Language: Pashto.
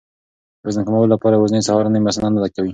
د وزن کمولو لپاره یوازې سهارنۍ بسنه نه کوي.